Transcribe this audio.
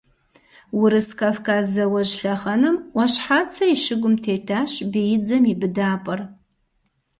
Урыс-Кавказ зауэжь лъэхъэнэм Ӏуащхьацэ и щыгум тетащ биидзэм и быдапӀэр.